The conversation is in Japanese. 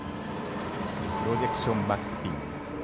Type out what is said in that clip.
プロジェクションマッピング。